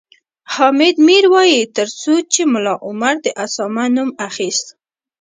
حامد میر وایي تر هغو چې ملا عمر د اسامه نوم اخیست